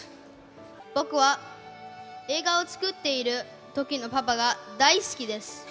僕は映画を作っているときのパパが大好きです。